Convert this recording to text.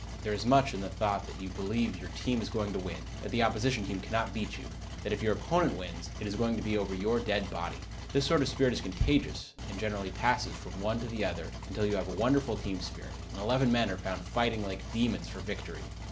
There is much in the thought that you believe your team is going to win; that the opposing team cannot beat you; that if your opponent wins, it is going to be over your dead body. This sort of spirit is contagious, and generally passes from one to the other, until you have a wonderful team spirit, and eleven men are found fighting like demons for victory.